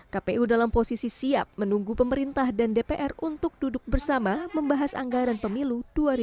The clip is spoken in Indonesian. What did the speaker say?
kpu dalam posisi siap menunggu pemerintah dan dpr untuk duduk bersama membahas anggaran pemilu dua ribu dua puluh